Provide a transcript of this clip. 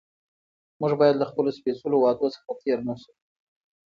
موږ باید له خپلو سپېڅلو وعدو څخه تېر نه شو